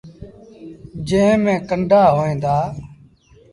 جݩهݩ ميݩ ڪنڊآ هوئين دآ۔